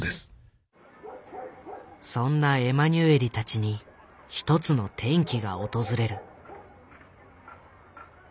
そんなエマニュエリたちに一つの転機が訪れる。